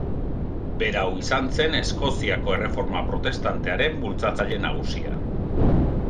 Berau izan zen Eskoziako Erreforma Protestantearen bultzatzaile nagusia.